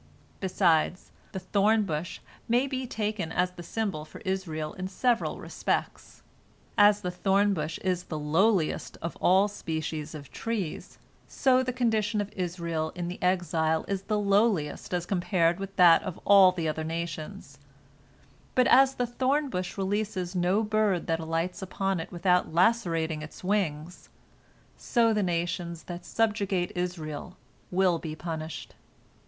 Besides, the thorn bush may be taken as the symbol for Israel in several respects. As the thorn bush is the lowliest of all species of trees, so the condition of Israel in the exile is the lowliest as compared with that of all the other nations, but as the thorn bush releases no bird that alights upon it without lacerating its wings, so the nations that subjugate Israel will be punished.